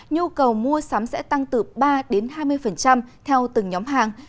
nhu cầu mua sắm sẽ tăng từ ba đến hai mươi theo từng nhóm hàng